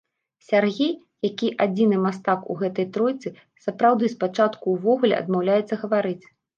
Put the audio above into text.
Сяргей, які адзіны мастак у гэтай тройцы, сапраўды спачатку ўвогуле адмаўляецца гаварыць.